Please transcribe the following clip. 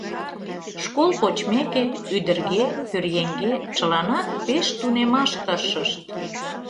Школ почмеке, ӱдырге-пӧръеҥге чыланат пеш тунемаш тыршышт.